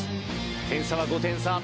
点差は５点差。